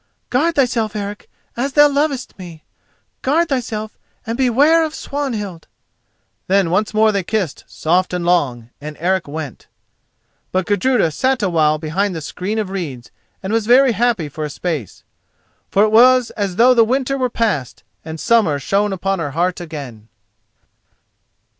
Guard thyself, Eric, as thou lovest me—guard thyself, and beware of Swanhild!" Then once more they kissed soft and long, and Eric went. But Gudruda sat a while behind the screen of reeds, and was very happy for a space. For it was as though the winter were past and summer shone upon her heart again.